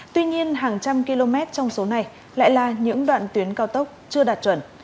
tuy nhiên hàng trăm km trong số này lại là những đoạn tuyến cao tốc chưa đạt chuẩn